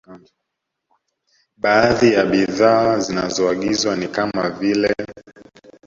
Baadhi ya bidhaa zinazoagizwa ni kama vile